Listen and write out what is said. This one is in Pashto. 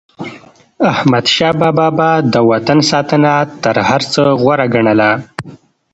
احمدشاه بابا به د وطن ساتنه تر هر څه غوره ګڼله.